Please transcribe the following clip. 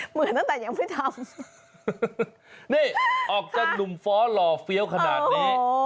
เหมือนตั้งแต่ยังไม่ทำนี่ออกจากหนุ่มฟ้อหล่อเฟี้ยวขนาดนี้